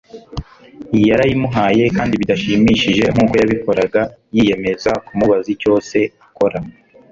Yarayimuhaye, kandi bidashimishije nkuko yabikoraga, yiyemeza kumubaza icyo se akora.